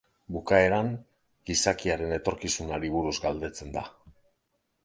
Bukaeran gizakiaren etorkizunari buruz galdetzen da.